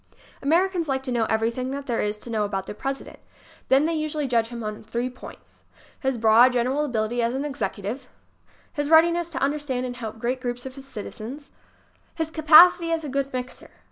Americans like to know everything there is to know about their President. Then they usually judge him on three points: his broad, general abil ity as an executive; his readiness to understand and help great groups of citizens; his capacity as a good mixer.